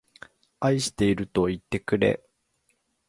愛しているといってくれ